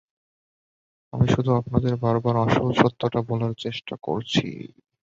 আমি শুধু আপনাদের বারবার আসল সত্যটা বলার চেষ্টা করছি!